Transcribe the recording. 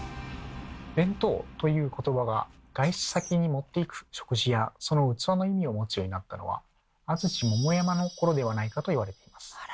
「便当」という言葉が外出先に持っていく食事やその器の意味を持つようになったのは安土桃山の頃ではないかと言われています。